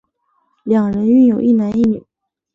两人育有一男一女。